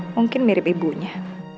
mungkin mirip ibunya